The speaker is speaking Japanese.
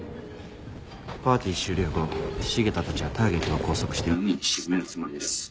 パーティー終了後茂田たちはターゲットを拘束して海に沈めるつもりです。